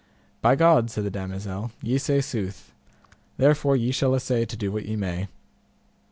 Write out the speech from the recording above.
By God, said the damosel, ye say sooth; therefore ye shall assay to do what ye may.